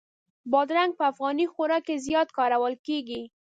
بادرنګ په افغاني خوراک کې زیات کارول کېږي.